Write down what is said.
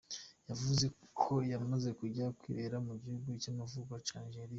Yavuze ko yamaze kuja kwibera mu gihugu c'amavukiro ca Nigeria.